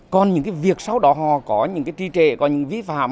còn những cái việc sau đó họ có những cái tri trệ có những cái vi phạm